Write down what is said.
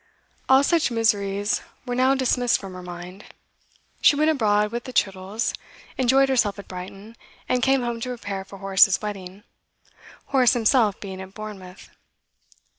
All such miseries were now dismissed from her mind. She went abroad with the Chittles, enjoyed herself at Brighton, and came home to prepare for Horace's wedding, Horace himself being at Bournemouth.